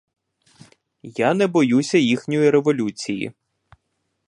Я не боюся їхньої революції.